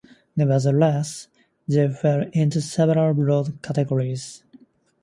Nevertheless, they fall into several broad categories.